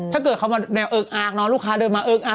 ถ้าเกิดเขามาแนวเอิกอาคลูกค้าเดินมาเอิกอาค